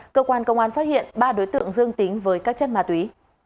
cơ quan công an phát hiện ba đối tượng dương tính với các chất ma túy